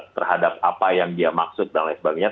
terhadap apa yang dia maksud dan lain sebagainya